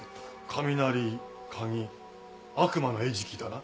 「雷」「鍵」「悪魔の餌食」だな？